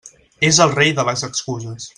És el rei de les excuses.